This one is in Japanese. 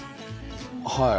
はい。